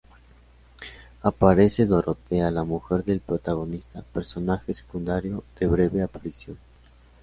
Aparece Dorotea, la mujer del protagonista, personaje secundario de breve aparición.